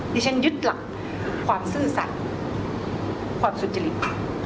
ฉันยึดหลักความซื่อสัตว์ความสุจริตค่ะ